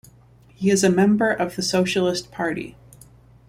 He is a member of the Socialist Party.